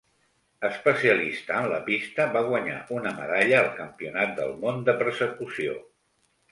Especialista en la pista, va guanyar una medalla al Campionat del món de persecució.